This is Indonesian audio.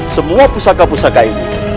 semua pusaka pusaka ini